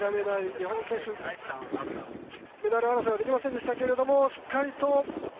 日本選手はメダル争いはできませんでしたけどしっかりと。